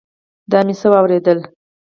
دا مې څه اورېدل.